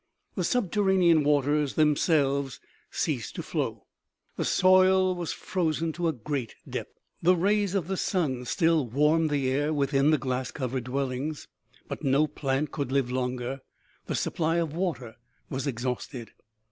The subterranean waters themselves ceased to flow. The soil was frozen to a great depth. The rays of the sun still warmed the air within the glass covered dwellings, but no plant could live longer ; the supply of water was ex hausted.